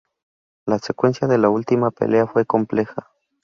La secuencia de la última pelea fue compleja.